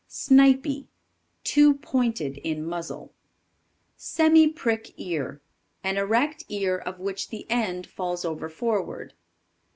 Snipy. Too pointed in muzzle. Semi prick Ear. An erect ear of which the end falls over forward.